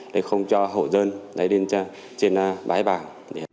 để không cho hộ dân đến trên bãi bảng